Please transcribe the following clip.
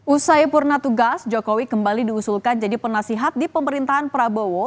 usai purna tugas jokowi kembali diusulkan jadi penasihat di pemerintahan prabowo